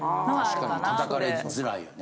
確かに叩かれづらいよね。